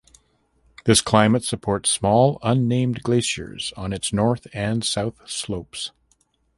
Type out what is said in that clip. This climate supports small unnamed glaciers on its north and south slopes.